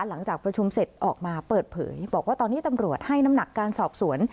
หลังจากประชุมเสร็จออกมาเปิดเผยบอกว่าตอนนี้ตำรวจให้น้ำหนักการสอบสวน